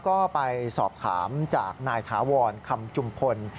ก็ไปสอบถามจากนายถาวรคำจุมพล